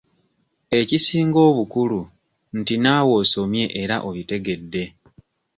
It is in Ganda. Ekisinga obukulu nti naawe osomye era obitegedde.